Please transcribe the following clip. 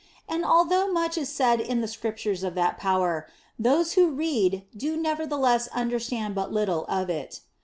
And although much is said in the Scriptures of that power, those who read do nevertheless understand but little of it.